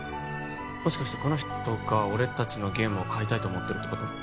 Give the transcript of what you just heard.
もしかしてこの人が俺達のゲームを買いたいと思ってるってこと？